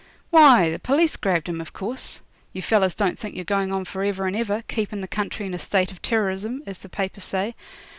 'Why, the p'leece grabbed him, of course. You fellers don't think you're going on for ever and ever, keepin' the country in a state of terrorism, as the papers say.